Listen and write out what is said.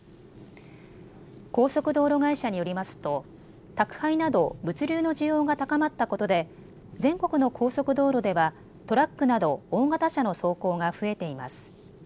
高速道路会社によりますと宅配など物流の需要が高まったことで全国の高速道路ではトラックなど大型車の走行が増えています。